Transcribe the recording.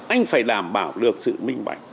anh phải đảm bảo được sự minh bạch